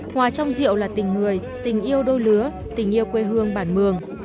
hòa trong rượu là tình người tình yêu đôi lứa tình yêu quê hương bản mường